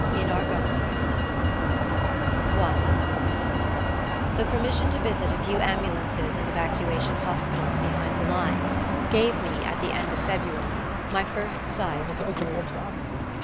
IN ARGONNE I The permission to visit a few ambulances and evacuation hospitals behind the lines gave me, at the end of February, my first sight of War.